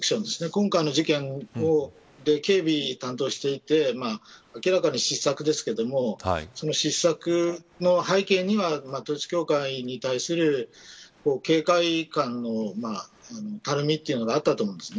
今回の事件で警備を担当していて明らかに失策ですけどその失策の背景には統一教会に対する警戒感のたるみというのがあったと思うんです。